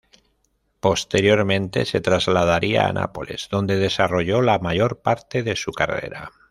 Posteriormente se trasladaría a Nápoles, donde desarrolló la mayor parte de su carrera.